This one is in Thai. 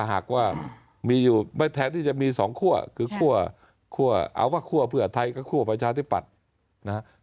หากว่ามีอยู่แท้ที่จะมีสองขั้วคือขั้วเอาว่าขั้วเพื่อไทยก็ขั้วประชาธิบัตินะฮะ